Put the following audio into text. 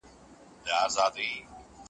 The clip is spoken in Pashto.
په لوی لاس چي مو پرې ایښي تر خالقه تللي لاري .